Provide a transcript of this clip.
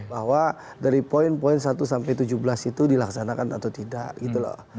bahwa dari poin poin satu sampai tujuh belas itu dilaksanakan atau tidak gitu loh